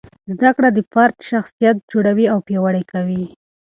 زده کړه د فرد شخصیت جوړوي او پیاوړی کوي.